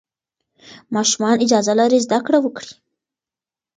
ماشومان اجازه لري زده کړه وکړي.